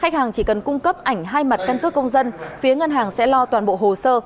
khách hàng chỉ cần cung cấp ảnh hai mặt căn cước công dân phía ngân hàng sẽ lo toàn bộ hồ sơ